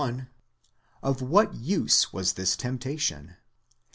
1), of what use was this temptation?